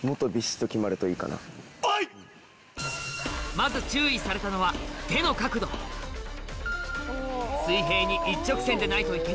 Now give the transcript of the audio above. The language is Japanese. まず注意されたのは水平に一直線でないといけない